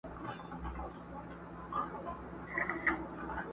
خدای بېشکه مهربان او نګهبان دی،